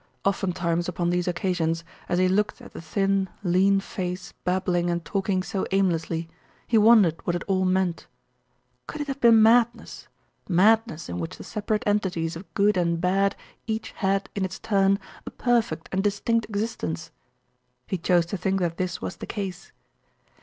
Oftentimes upon these occasions as he looked at the thin, lean face babbling and talking so aimlessly, he wondered what it all meant. Could it have been madness madness in which the separate entities of good and bad each had, in its turn, a perfect and distinct existence? He chose to think that this was the case.